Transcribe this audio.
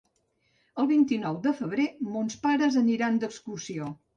El vint-i-nou de febrer mons pares aniran d'excursió.